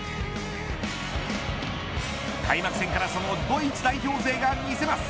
開幕戦からそのドイツ代表勢が見せます。